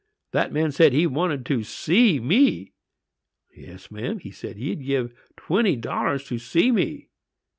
That man said he wanted to see me! Yes, ma'am, he said he'd give twenty dollars to see me.